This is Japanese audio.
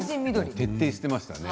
徹底していましたね。